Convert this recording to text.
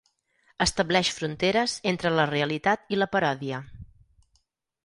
Estableix fronteres entre la realitat i la paròdia.